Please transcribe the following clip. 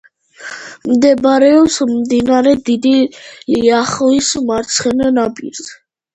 მდებარეობს მდინარე დიდი ლიახვის მარცხენა ნაპირზე.